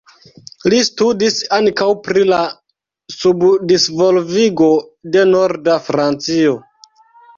Li studis ankaŭ pri la subdisvolvigo de Norda Francio.